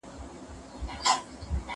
زه به اوږده موده لوبي کوم،